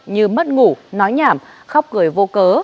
như mất ngủ nói nhảm khóc cười vô cớ